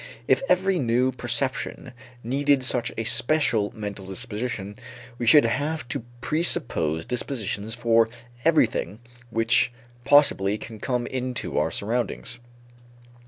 If every new perception needed such a special mental disposition, we should have to presuppose dispositions for everything which possibly can come into our surroundings.